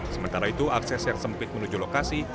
sementara itu akses yang sempit menuju lokasi